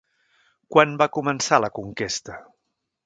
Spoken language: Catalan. Quan va començar la conquesta?